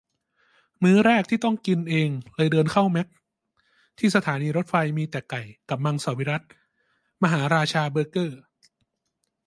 มื้อแรกที่ต้องกินเองเลยเดินเข้าแมคที่สถานีรถไฟ มีแต่ไก่ กับมังสวิรัติ มหาราชาเบอร์เกอร์